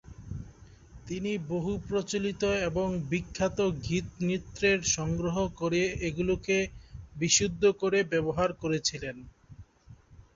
তিনি বহু প্রচলিত এবং বিখ্যাত গীত-নৃত্যের সংগ্রহ করে এগুলোকে বিশুদ্ধ করে ব্যবহার করেছিলেন।